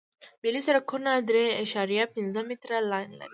ملي سرکونه درې اعشاریه پنځه متره لاین لري